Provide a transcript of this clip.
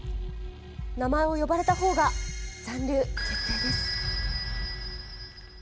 名前を呼ばれたほうが残留決定です。